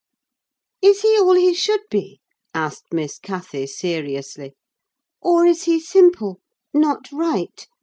"Is he all as he should be?" asked Miss Cathy, seriously; "or is he simple: not right?